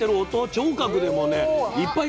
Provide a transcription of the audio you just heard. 聴覚でもねいっぱい